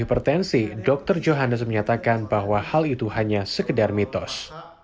hipertensi dr johannes menyatakan bahwa hal itu hanya sekedar mitos